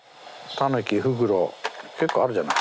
タヌキフクロウ結構あるじゃない。